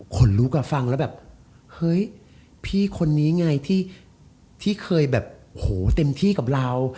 คนลุกอ่ะฟังแล้วแบบเฮ้ยพี่คนนี้ไงที่เคยแบบโหเต็มที่กับเรา